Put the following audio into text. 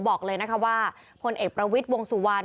บอกเลยนะคะว่าพลเอกประวิทย์วงสุวรรณ